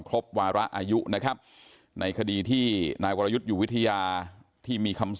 ครบวาระอายุนะครับในคดีที่นายวรยุทธ์อยู่วิทยาที่มีคำสั่ง